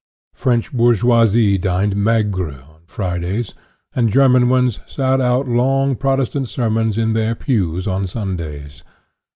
French bourgeoisie dined maigre on Fridays, and German ones sat out long Protestant sermons in their pews on Sundays.